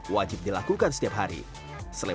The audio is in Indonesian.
wajib dilakukan setiap hari selain